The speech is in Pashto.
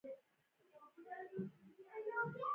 هر یو چې مشر کېږي زموږ پر سر یې ځای دی.